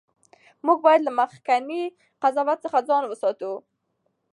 موږ باید له مخکني قضاوت څخه ځان وساتو.